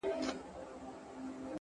هره ناکامي د نوي فکر پیل دی.!